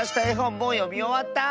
もうよみおわった？